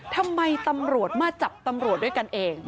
ทำไมตำรวจมาจับตำรวจด้วยกันเอง